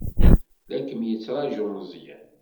La kem-yettṛaju Meẓyan.